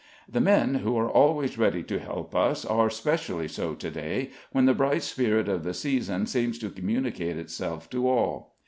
The men, who are always ready to help us, are specially so to day, when the bright spirit of the season seems to communicate itself to all.